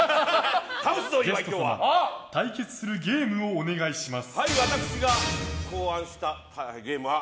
ゲスト様、対決のゲームをお願いします。